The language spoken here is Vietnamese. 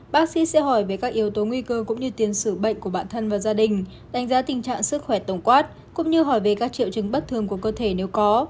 bác sĩ sẽ hỏi về các yếu tố nguy cơ cũng như tiền sử bệnh của bản thân và gia đình đánh giá tình trạng sức khỏe tổng quát cũng như hỏi về các triệu chứng bất thường của cơ thể nếu có